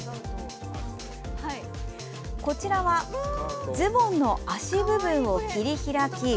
こちらはズボンの脚部分を切り開き